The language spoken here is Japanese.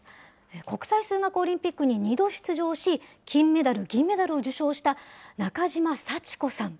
国際数学オリンピックに２度出場し、金メダル、銀メダルを受賞した中島さち子さん。